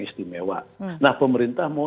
istimewa nah pemerintah mau